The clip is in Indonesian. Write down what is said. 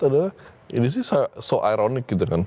adalah ini sih sangat ironis